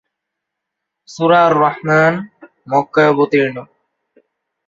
সূরা আর-রাহমান মক্কায় অবতীর্ণ।